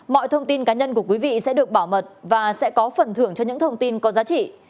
mọi thông tin cá nhân của quý vị sẽ được bảo mật và sẽ có phần thưởng cho những thông tin có giá trị